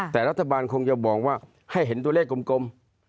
แต่รัฐบาลคงจะบอกว่าให้เห็นตัวเลขกลม